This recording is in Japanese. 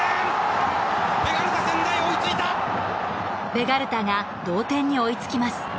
ベガルタが同点に追いつきます。